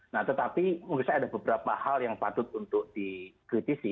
nah tetapi menurut saya ada beberapa hal yang patut untuk dikritisi